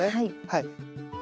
はい。